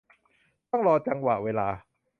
ต้องรอจังหวะเวลา